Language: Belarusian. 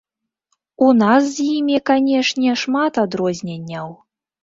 У нас з імі, канешне, шмат адрозненняў.